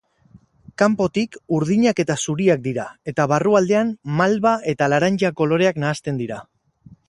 Kanpotik urdinak eta zuriak dira eta barrualdean malba eta laranja koloreak nahasten dira.